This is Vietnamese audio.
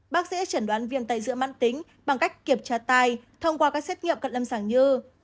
bác sĩ chẩn đoán viêm tay giữa mạng tính bằng cách kiểm tra tài thông qua các xét nghiệm cận lâm sàng như